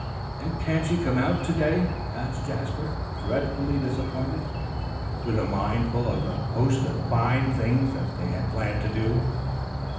"And can't she come out, to day?" asked Jasper, dreadfully disappointed, with a mind full of the host of fine things they had planned to do.